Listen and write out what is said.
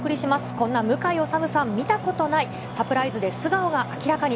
こんな向井理さん見たことない、サプライズで素顔が明らかに！